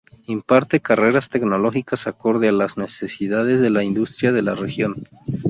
Imparte carreras tecnológicas acorde a las necesidades de la industria de la región.